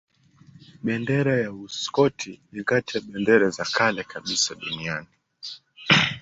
Bendera ya Uskoti ni kati ya bendera za kale kabisa duniani.